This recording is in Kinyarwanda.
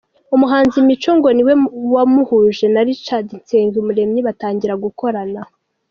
Umuhanzi Mico ngo niwe wamuhuje na Richard Nsengumuremyi batangira gukorana.